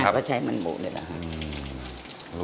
ใช้น้ำมันหมูเนี่ยหรอครับ